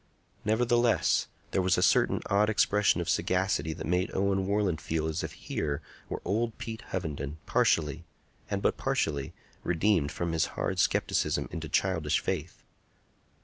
Nevertheless, there was a certain odd expression of sagacity that made Owen Warland feel as if here were old Pete Hovenden, partially, and but partially, redeemed from his hard scepticism into childish faith.